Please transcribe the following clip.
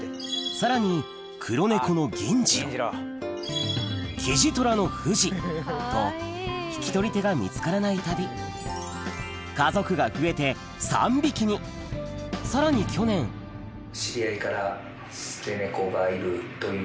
さらに黒ネコのキジトラのと引き取り手が見つからないたび家族が増えて３匹にさらに去年ということで。